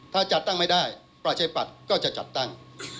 ถ้าจัดตั้งไม่ได้ประชาปัตย์ก็จะจัดตั้ง